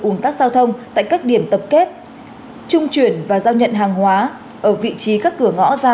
ủn tắc giao thông tại các điểm tập kết trung chuyển và giao nhận hàng hóa ở vị trí các cửa ngõ ra